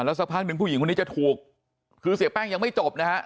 และสักพันธุ์หนึ่งผู้หญิงคนนั้นจะถูกเชสแป้งยังไม่จบนะฮะ